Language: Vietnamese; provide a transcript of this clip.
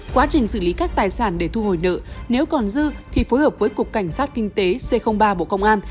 quá trình xử lý các tài sản để thu hồi nợ nếu còn dư thì phối hợp với cục cảnh sát kinh tế c ba bộ công an